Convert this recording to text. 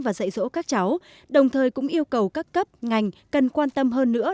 và dạy dỗ các cháu đồng thời cũng yêu cầu các cấp ngành cần quan tâm hơn nữa